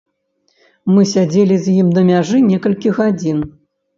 Мы сядзелі з ім на мяжы некалькі гадзін.